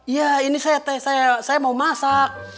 iya ini saya teh saya mau masak